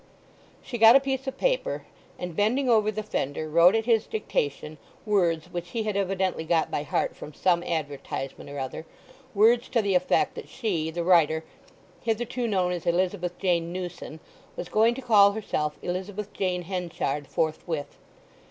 She got a piece of paper, and bending over the fender wrote at his dictation words which he had evidently got by heart from some advertisement or other—words to the effect that she, the writer, hitherto known as Elizabeth Jane Newson, was going to call herself Elizabeth Jane Henchard forthwith.